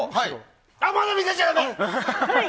まだ見せちゃだめ！